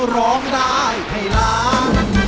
ร้องได้ให้ล้าน